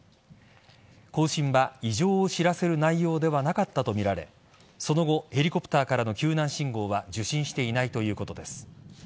交信は異常を知らせる内容ではなかったとみられその後ヘリコプターからの救難信号は受信していないということです。